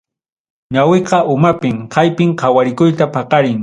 Ñawiqa umapim, kaypim qawarikuyta paqarin.